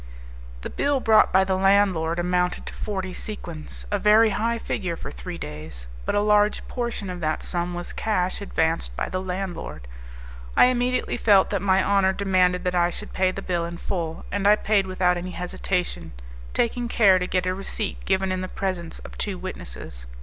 The bill brought by the landlord amounted to forty sequins, a very high figure for three days; but a large portion of that sum was cash advanced by the landlord, I immediately felt that my honour demanded that I should pay the bill in full; and I paid without any hesitation, taking care to get a receipt given in the presence of two witnesses.